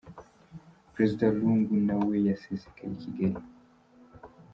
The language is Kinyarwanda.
Perezida Lungu na we yasesekaye i Kigali.